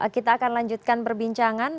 kita akan lanjutkan perbincangan